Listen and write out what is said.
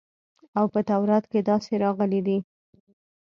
او په تورات کښې داسې راغلي دي.